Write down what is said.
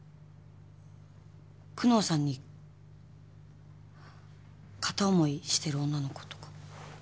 久能さんに片思いしてる女の子とか。